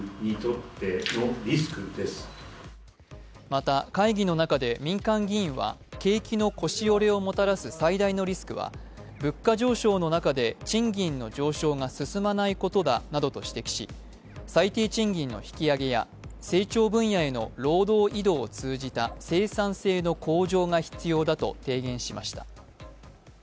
また、会議の中で民間議員は景気の腰折れをもたらす最大のリスクは、物価上昇の中で賃金の上昇が進まないことだなどと指摘し最低賃金の引き上げや成長分野への労働移動を通じた生産性の向上が必要だと提言しました。